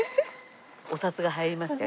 お札が入りましたよ